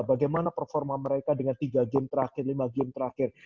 bagaimana performa mereka dengan tiga game terakhir lima game terakhir